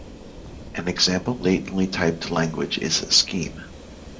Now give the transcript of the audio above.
An example latently typed language is Scheme.